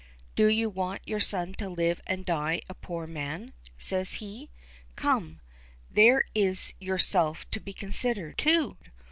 "Do you want your son to live and die a poor man?" says he. "Come! there is yourself to be considered, too!